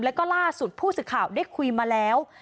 แล้วก็ล่าสุดผู้สื่อข่าวได้คุยมาแล้ว